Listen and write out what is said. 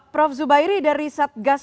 prof zubairi dari satgas